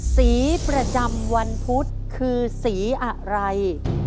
สีประจำวันพุธคือสีอะไร